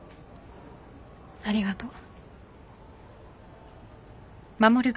ありがとう。